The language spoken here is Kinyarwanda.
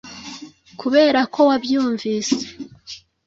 kuberako wabyumvise